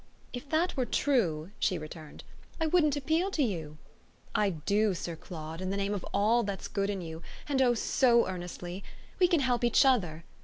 "If that were true," she returned, "I wouldn't appeal to you. I do, Sir Claude, in the name of all that's good in you and oh so earnestly! We can help each other.